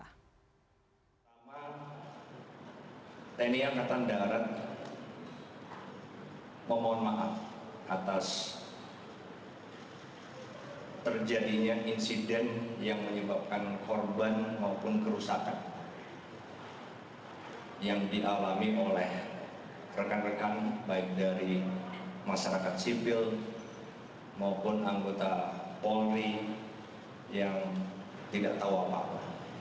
kepala staf angkatan darat meminta maaf atas terjadinya insiden yang menyebabkan korban maupun kerusakan yang dialami oleh rekan rekan baik dari masyarakat sipil maupun anggota polri yang tidak tahu apa apa